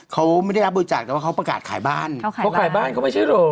เขาไม่ได้รับบริจาคแต่ว่าเขาประกาศขายบ้านเขาขายบ้านเขาไม่ใช่เหรอ